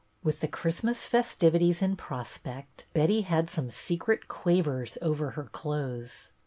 With the Christmas festivities in prospect, Betty had some secret quavers over her clothes.